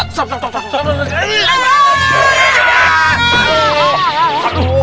bviamente ya kalau gitu